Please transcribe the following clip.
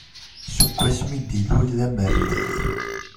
Seg wasmi i d-ilul d amermed.